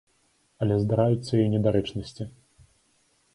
Але здараюцца і недарэчнасці.